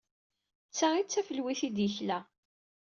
D ta ay d tafelwit ay d-yekla.